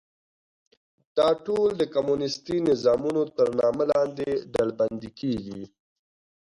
دا ټول د کمونیستي نظامونو تر نامه لاندې ډلبندي کېږي.